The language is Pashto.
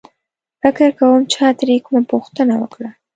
فکر کوم چا ترې کومه پوښتنه وکړه.